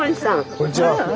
こんにちは。